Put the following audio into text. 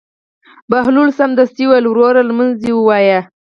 بهلول سمدستي وویل: وروره لمونځ دې ووایه.